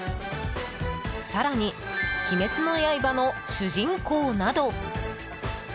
更に「鬼滅の刃」の主人公など。